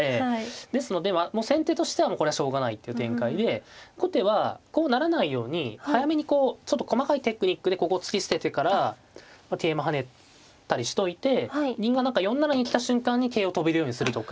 ですのでもう先手としてはこれはしょうがないっていう展開で後手はこうならないように早めにこうちょっと細かいテクニックでここを突き捨ててから桂馬跳ねたりしといて銀が何か４七に来た瞬間に桂を跳べるようにするとか。